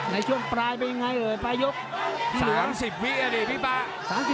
ในช่วงปลายไปยังไงเลยปลายยก